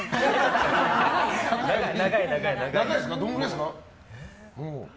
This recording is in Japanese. どのくらいですか？